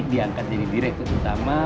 diangkat jadi direktur utama